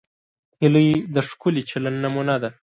هیلۍ د ښکلي چلند نمونه ده